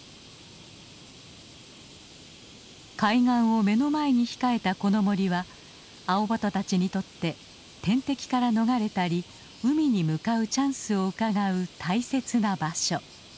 海岸を目の前に控えたこの森はアオバトたちにとって天敵から逃れたり海に向かうチャンスをうかがう大切な場所。